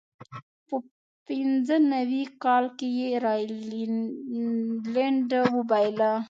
په پینځه نوي کال کې یې راینلنډ وبایله.